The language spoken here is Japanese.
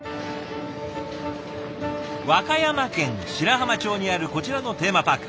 和歌山県白浜町にあるこちらのテーマパーク。